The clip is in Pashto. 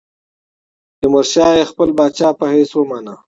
تیمورشاه یې خپل پاچا په حیث ومانه.